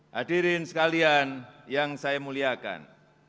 hadirin sekalian yang saya muliakan